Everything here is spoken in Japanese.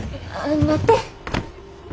待って。